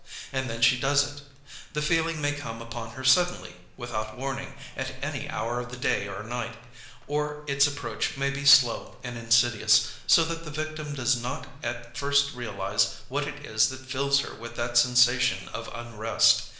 And then she does it. The feeling may come upon her suddenly, without warning, at any hour of the day or night; or its approach may be slow and insidious, so that the victim does not at first realize what it is that fills her with that sensation of unrest.